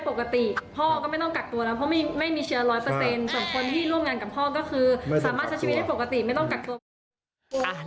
ส่วนคนที่ร่วมงานกับพ่อก็คือสามารถใช้ชีวิตได้ปกติ